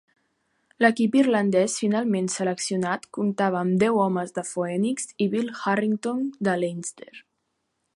L'equip irlandès finalment seleccionat comptava amb deu homes de Phoenix i Bill Harrington de Leinster.